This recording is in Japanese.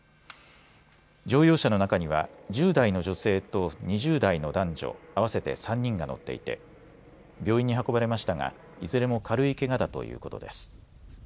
乗用車の中には１０代の女性と２０代の男女、合わせて３人が乗っていて病院に運ばれましたが、いずれも軽いけがだということです。